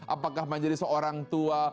apakah menjadi seorang tua